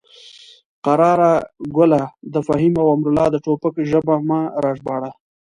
قراره ګله د فهیم او امرالله د ټوپک ژبه مه راژباړه.